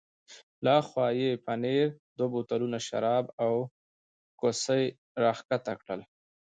له ها خوا یې پنیر، دوه بوتلونه شراب او کوسۍ را کښته کړل.